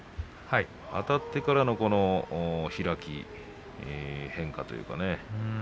あたってからの開き変化というか。